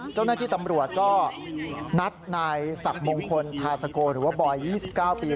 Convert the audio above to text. เจ้าหน้าที่ตำรวจก็นัดนายศักดิ์มงคลทาสโกหรือว่าบอย๒๙ปี